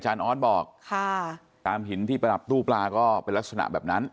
ออสบอกค่ะตามหินที่ประดับตู้ปลาก็เป็นลักษณะแบบนั้น